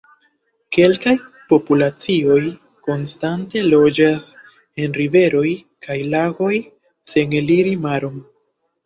Kelkaj populacioj konstante loĝas en riveroj kaj lagoj sen eliri maron.